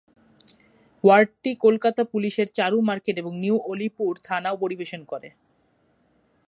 ওয়ার্ডটি কলকাতা পুলিশের চারু মার্কেট এবং নিউ আলিপুর থানা পরিবেশন করে।